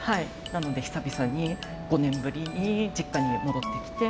なので久々に５年ぶりに実家に戻ってきて。